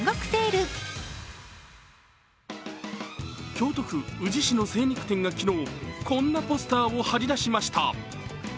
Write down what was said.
京都府宇治市の精肉店が昨日こんなポスターを貼り出しました。